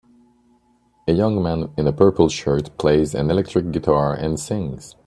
A young man in a purple shirt plays an electric guitar and sings.